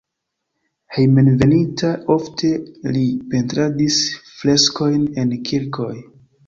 Hejmenveninta ofte li pentradis freskojn en kirkoj.